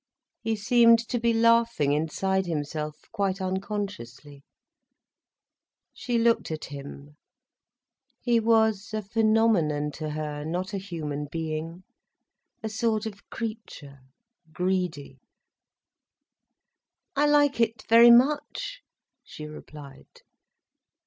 He seemed to be laughing inside himself, quite unconsciously. She looked at him. He was a phenomenon to her, not a human being: a sort of creature, greedy. "I like it very much," she replied.